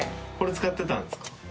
これ使ってたんですか？